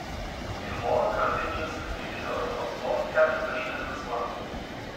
The hall continues to be the home of Lord Cavendish and his wife.